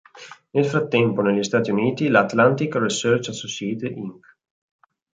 Nel frattempo, negli Stati Uniti, la Atlantic Research Associates Inc.